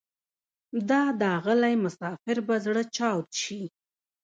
دا داغلی مسافر به زره چاود شي